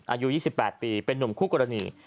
อายุ๒๘ปีเป็นนุ่มคู่กรณี